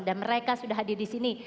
dan mereka sudah hadir di sini